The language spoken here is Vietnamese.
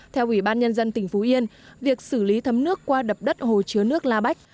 theo ủy ban nhân dân tỉnh phú yên việc xử lý thấm nước qua đập đất hồ chứa nước la bách